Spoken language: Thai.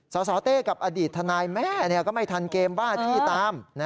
สสเต้กับอดีตทนายแม่ก็ไม่ทันเกมบ้าที่ตาม